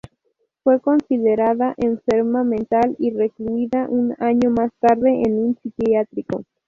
Fue considerada enferma mental y recluida un año más tarde en un psiquiátrico.